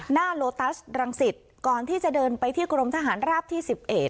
โลตัสรังสิตก่อนที่จะเดินไปที่กรมทหารราบที่๑๑